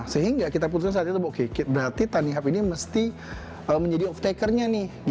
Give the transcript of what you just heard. sehingga kita putuskan saat itu berarti tanihub ini mesti menjadi off taker nya